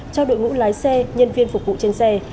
cho đội ngũ lái xe nhân viên phục vụ trên xe